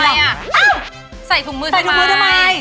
เอ้าใส่ถุงมือทำไม